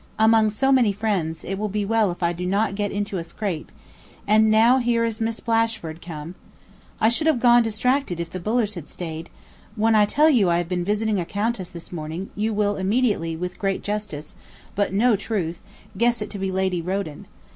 Among so many friends, it will be well if I do not get into a scrape; and now here is Miss Blashford come. I should have gone distracted if the Bullers had staid .... When I tell you I have been visiting a countess this morning, you will immediately, with great justice, but no truth, guess it to be Lady Roden.